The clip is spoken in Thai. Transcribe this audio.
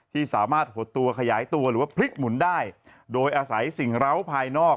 ที่สามารถหดตัวขยายตัวหรือว่าพลิกหมุนได้โดยอาศัยสิ่งเหล้าภายนอก